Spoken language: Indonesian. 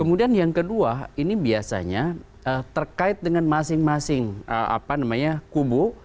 kemudian yang kedua ini biasanya terkait dengan masing masing kubu